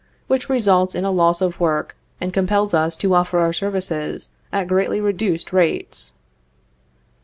which results in a loss of work, and compels us to | offer our services at greatly reduced rates.